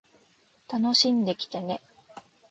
楽しんできてね